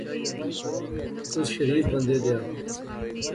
تس شریف بندے دیا